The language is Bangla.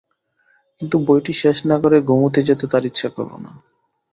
কিন্তু বইটি শেষ না-করে ঘুমুতে যেতে তাঁর ইচ্ছা করল না।